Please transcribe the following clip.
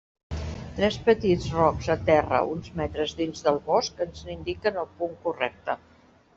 Tres petits rocs a terra, uns metres dins del bosc, ens n'indiquen el punt correcte.